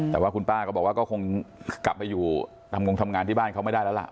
แต่ว่าคุณป้าก็บอกว่าก็คงกลับไปอยู่ทำงงทำงานที่บ้านเขาไม่ได้แล้วล่ะ